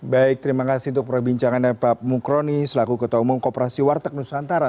baik terima kasih untuk perbincangan dari pak mukroni selaku ketua umum koperasi warteg nusantara